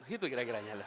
itu kira kiranya loh